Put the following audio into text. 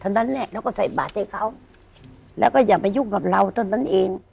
ทำนั้นแหละเราก็ใส่บาทให้เขาแล้วก็อย่ามายุ่งกับเราตอนนั้นเอง